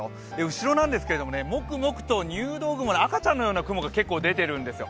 後ろなんですけども、もくもくと入道雲の赤ちゃんのような雲が結構出てるんですよ。